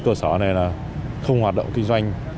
cơ sở này là không hoạt động kinh doanh